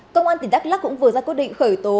công an tỉnh đắk lắc cũng vừa ra quyết định khởi tố